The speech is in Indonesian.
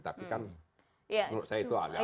tapi kan menurut saya itu agak